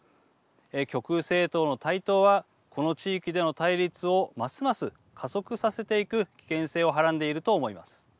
極右政党の台頭はこの地域での対立をますます加速させていく危険性をはい。